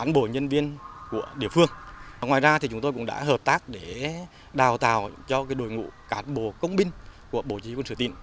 đối với đội ngũ cán bộ nhân viên của địa phương ngoài ra thì chúng tôi cũng đã hợp tác để đào tạo cho cái đội ngũ cán bộ công binh của bộ chí quân sửa tịnh